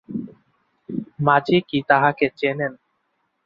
মাজি কি তাঁহাকে চেনেন।